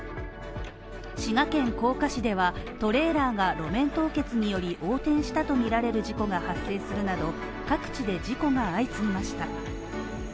滋賀県甲賀市では、トレーラーが路面凍結により、横転したとみられる事故が発生するなど、各地で事故が相次ぎました。